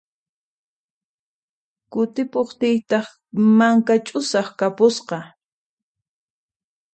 Kutimuqtiytaq mankaqa ch'usaq kapusqa.